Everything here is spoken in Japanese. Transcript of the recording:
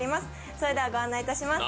それではご案内いたします。